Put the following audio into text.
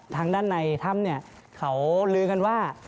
ทางด้านในถ้ำเนี่ยเขาลือกันว่า